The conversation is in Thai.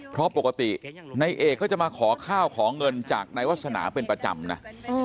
เพราะปกตินายเอกก็จะมาขอข้าวขอเงินจากนายวาสนาเป็นประจำนะ